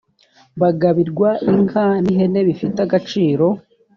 bagabirwa inka n ihene bifite agaciro